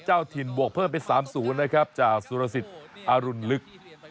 เจ้าถิ่นบวกเพิ่มเป็น๓๐นะครับจากสุรสิทธิ์อรุณลึก